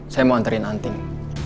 saya mau anterin anting